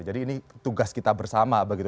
jadi ini tugas kita bersama begitu